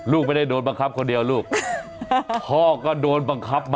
ลูกขยันจังเลยลูกเออช่วยพ่อ